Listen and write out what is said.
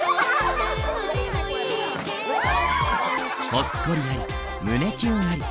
ほっこりあり胸キュンあり。